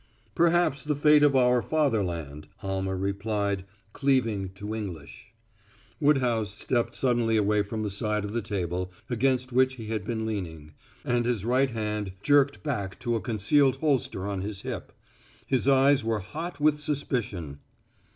"Perhaps the fate of our fatherland," Almer replied, cleaving to English. Woodhouse stepped suddenly away from the side of the table, against which he had been leaning, and his right hand jerked back to a concealed holster on his hip. His eyes were hot with suspicion.